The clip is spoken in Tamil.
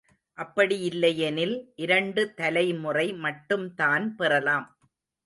அப்படி இல்லையெனில், இரண்டு தலைமுறை மட்டும் தான் பெறலாம்.